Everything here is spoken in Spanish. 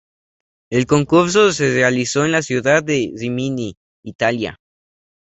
El concurso se realizó en la ciudad de Rímini, Italia.